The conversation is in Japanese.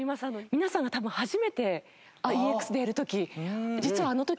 皆さんが多分初めてＥＸでやる時。